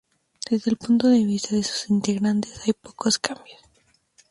Desde el punto de vista de sus integrantes, hay pocos cambios.